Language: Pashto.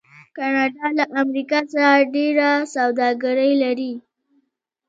کاناډا له امریکا سره ډیره سوداګري لري.